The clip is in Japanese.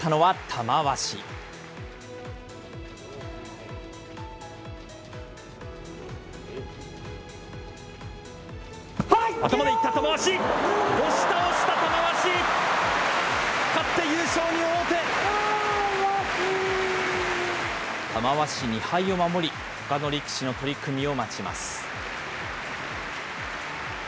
玉鷲、２敗を守り、ほかの力士の取組を待ちます。